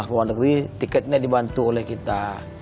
nah di bawah bawah negeri tiketnya dibantu oleh kita